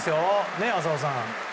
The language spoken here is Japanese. ねえ、浅尾さん。